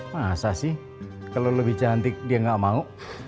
masa sih kalau lebih cantik dia nggak mau